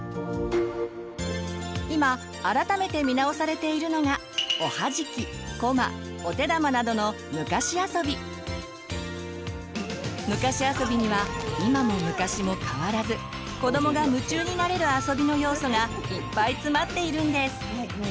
今改めて見直されているのがおはじきコマお手玉などの「昔遊び」には今も昔も変わらず子どもが夢中になれる遊びの要素がいっぱい詰まっているんです。